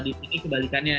di sini kebalikannya